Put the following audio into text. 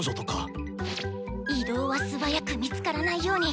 心の声移動は素早く見つからないように。